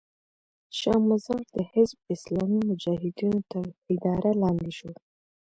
شا مزار د حزب اسلامي مجاهدینو تر اداره لاندې شو.